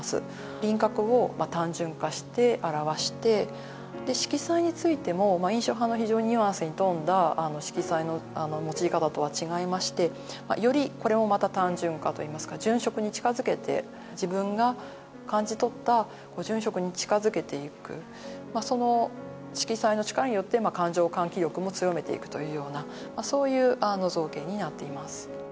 輪郭を単純化して表してで色彩についても印象派の非常にニュアンスにとんだ色彩の用い方とは違いましてよりこれもまた単純化といいますか純色に近づけて自分が感じ取った純色に近づけていくその色彩の力によって感情喚起力も強めていくというようなそういう造詣になっています